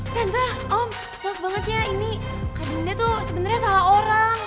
tante maaf banget ya ini kak dinda tuh sebenernya salah orang